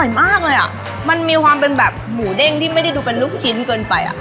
มากเลยอ่ะมันมีความเป็นแบบหมูเด้งที่ไม่ได้ดูเป็นลูกชิ้นเกินไปอ่ะ